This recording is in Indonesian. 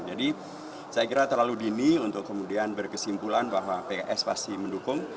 jadi saya kira terlalu dini untuk kemudian berkesimpulan bahwa pks pasti mendukung